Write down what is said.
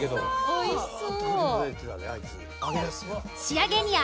おいしそう。